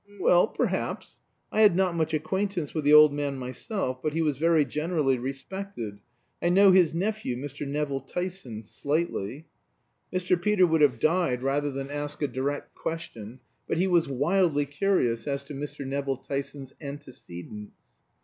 "Well perhaps. I had not much acquaintance with the old man myself, but he was very generally respected. I know his nephew, Mr. Nevill Tyson slightly." Sir Peter would have died rather than ask a direct question, but he was wildly curious as to Mr. Nevill Tyson's antecedents.